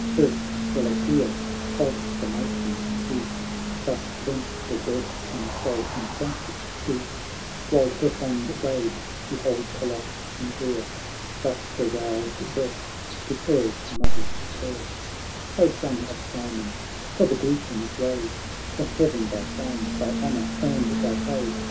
First Delopeia, of the matrons chief, Thus vents her bursting soul in frantic grief, While her fond babe she holds aloft in air; Thus her roused breast prefers a mother's prayer •' O Son of Cimon, for the Grecians raise To heaven thy fame, thy honour, and thy praise.